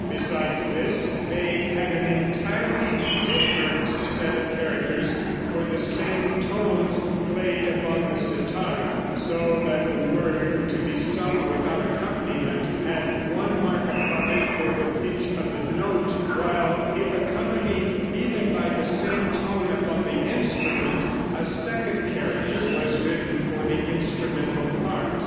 Besides this they had an entirely different set of characters for the same tones played upon the cithara, so that a word to be sung without accompaniment had one mark above it for the pitch of the note, while if accompanied even by the same tone upon the instrument, a second character was written for the instrumental part.